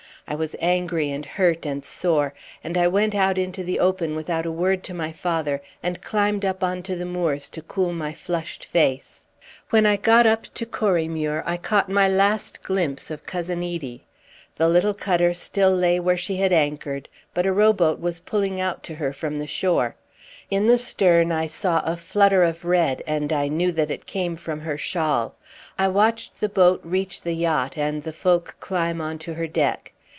I was angry and hurt and sore, and I went out into the open without a word to my father, and climbed up on to the moors to cool my flushed face. When I got up to Corriemuir I caught my last glimpse of Cousin Edie. The little cutter still lay where she had anchored, but a rowboat was pulling out to her from the shore. In the stern I saw a flutter of red, and I knew that it came from her shawl. I watched the boat reach the yacht and the folk climb on to her deck.